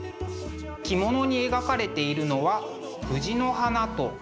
着物に描かれているのは藤の花と蜘蛛の糸。